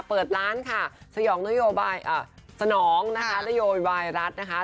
เปิดร้านค่ะสนองนโยบายรัฐนะคะ